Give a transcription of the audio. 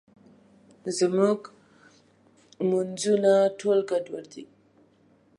زموږ مونځونه ټول ګډوډ دي.